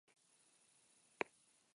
Aurreko lerroak jarri zuen alde positiboa.